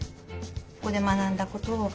ここで学んだことプラス